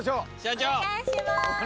お願いします。